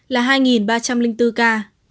là hai ba trăm linh bốn ca